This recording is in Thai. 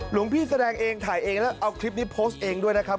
หลวงพี่แสดงเองถ่ายเองแล้วเอาคลิปนี้โพสต์เองด้วยนะครับ